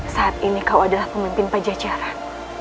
saat ini kau adalah pemimpin pajajaran